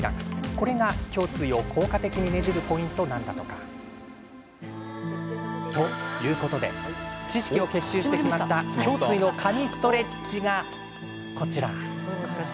これが胸椎を効果的にねじるポイントなんだとか。ということで知識を結集して決まった胸椎の神ストレッチがこちら。